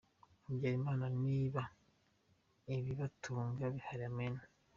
Habyarimana , niba ibibatunga bihari, Amen!!!!!!!.